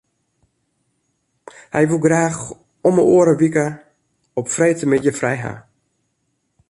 Hy woe graach om 'e oare wike op freedtemiddei frij hawwe.